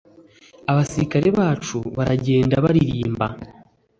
abasirikare bacu baragenda baririmba